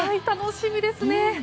楽しみですね。